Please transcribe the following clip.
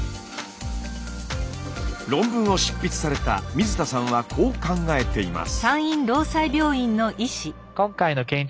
論文を執筆された水田さんはこう考えています。